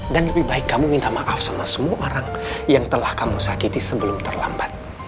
dan lebih baik kamu minta maaf sama semua orang yang telah kamu sakiti sebelum terlambat